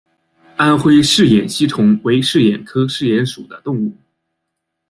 安徽嗜眼吸虫为嗜眼科嗜眼属的动物。